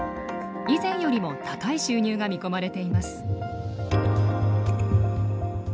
以前よりも高い収入が見込まれています。